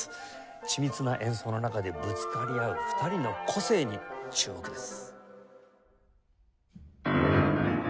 緻密な演奏の中でぶつかり合う２人の個性に注目です。